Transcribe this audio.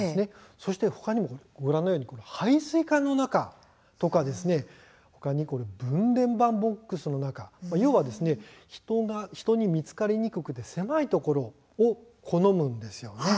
そして、ほかにも配水管の中とか分電盤ボックスの中要は人に見つかりにくくて狭いところを好むんです。